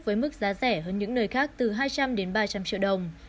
với mức giá rẻ hơn những nơi khác từ hai trăm linh đến ba trăm linh triệu đồng